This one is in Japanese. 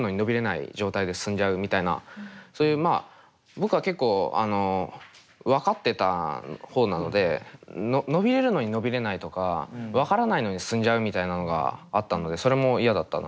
僕は結構あの分かってた方なので伸びれるのに伸びれないとか分からないのに進んじゃうみたいなのがあったのでそれも嫌だったなって。